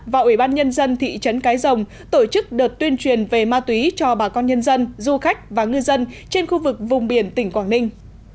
và ủy ban nhân dân thị trấn cái rồng tổ chức đợt tuyên truyền về ma túy cho bà con nhân dân du khách và ngư dân trên khu vực vùng biển tỉnh quảng ninh